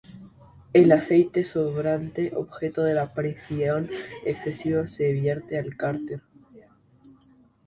El aceite sobrante, objeto de la presión excesiva, se vierte al cárter.